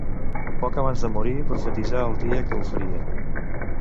Poc abans de morir, profetitzà el dia que ho faria.